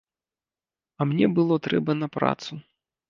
А мне было трэба на працу.